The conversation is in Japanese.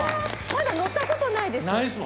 まだ乗ったことないです。